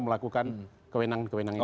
melakukan kewenangan kewenangan itu